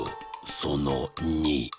その２。